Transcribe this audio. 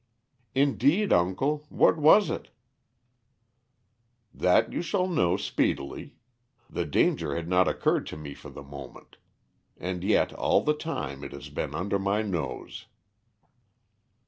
"Indeed, uncle. What was it?" "That you shall know speedily. The danger had not occurred to me for the moment. And yet all the time it has been under my nose."